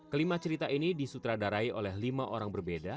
kelima cerita ini disutradarai oleh lima orang berbeda